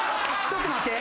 ちょっと待って。